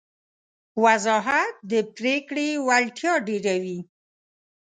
وضاحت د پرېکړې وړتیا ډېروي.